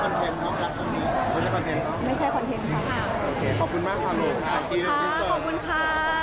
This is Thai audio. ขอบคุณมากฮาโหลค่ะขอบคุณค่ะ